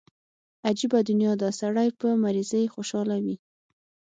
عجبه دنيا ده سړى پر مريضۍ خوشاله وي.